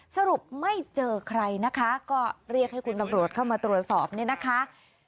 สรุปไม่เจอใครนะคะก็เรียกให้คุณตำรวจเข้ามาตรวจสอบเนี่ยนะคะ